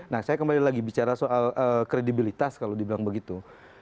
nah saya kembali lagi bicara soal kredibilitas kalau dibilang begitu